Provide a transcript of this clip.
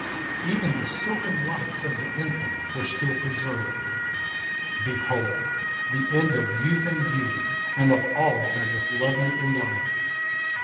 Even the silken locks of the infant were still preserved. Behold the end of youth and beauty, and of all that is lovely in life!